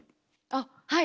あっはい。